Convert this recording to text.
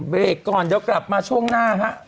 เบรกก่อนเดี๋ยวกลับมาช่วงหน้าฮะ